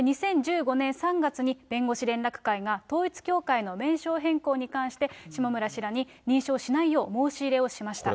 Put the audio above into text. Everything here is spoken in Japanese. ２０１５年３月に、弁護士連絡会が統一教会の名称変更に関して、下村氏らに認証しないよう申し入れをしました。